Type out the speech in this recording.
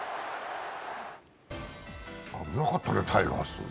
危なかったねタイガース。